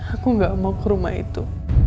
aku nggak mau ke rumah itu